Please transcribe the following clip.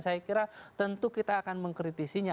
saya kira tentu kita akan mengkritisinya